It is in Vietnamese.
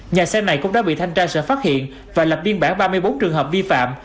nhà xe này cũng đã bị thanh tra sở phát hiện và lập biên bản ba mươi bốn trường hợp vi phạm